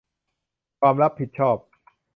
ความรับผิดชอบ